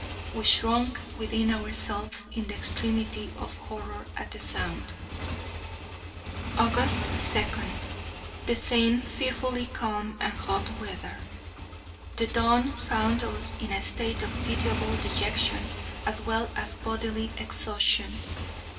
We shrunk within ourselves in the extremity of horror at the sound. August 2. The same fearfully calm and hot weather. The dawn found us in a state of pitiable dejection as well as bodily exhaustion.